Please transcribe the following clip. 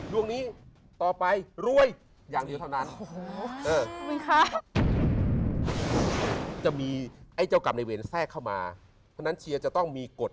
ดวงนี้ต่อไปรวยอย่างเดียวเท่านั้น